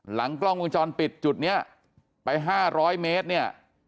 หลังกล้องวงจรปิดจุดนี้ไป๕๐๐เมตรเนี่ย